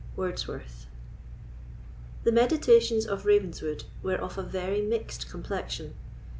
WORDSWORTH. The meditations of Ravenswood were of a very mixed complexion.